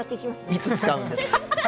いつ使うんですか！